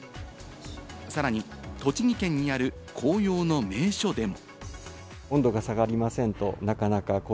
さらに栃木県にある紅葉の名所でも。